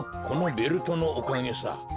このベルトのおかげさ。